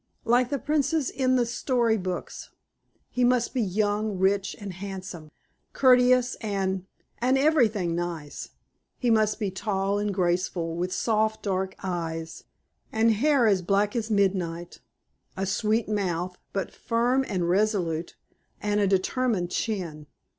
Like the princes in the story books, he must be young, rich, and handsome; courteous and and everything nice. He must be tall and graceful, with soft dark eyes, and hair as black as midnight; a sweet mouth, but firm and resolute, and a determined chin.